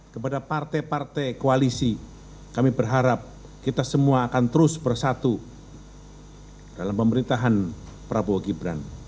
kepada partai partai koalisi kami berharap kita semua akan terus bersatu dalam pemerintahan prabowo gibran